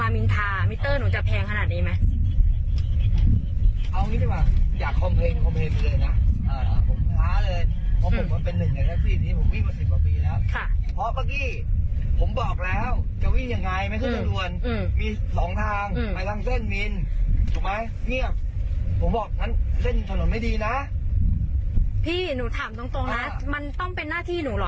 พี่หนูถามตรงนะมันต้องเป็นหน้าที่หนูเหรอ